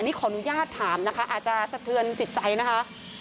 นี่ขออนุญาตถามนะคะอาจจะสะเทือนจิตใจนะคะ